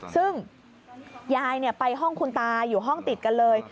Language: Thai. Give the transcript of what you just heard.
ซึ่งยายไปห้องคุณตาอยู่ห้องติดกันเลย